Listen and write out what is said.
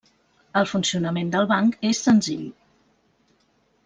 El funcionament del banc és senzill.